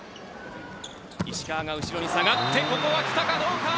石川が後ろに下がって、ここはきたかどうか。